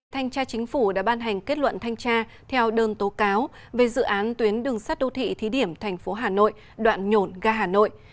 thanh tra chính phủ đã ban hành kết luận thanh tra theo đơn tố cáo về dự án tuyến đường sắt đô thị thí điểm thành phố hà nội đoạn nhổn ga hà nội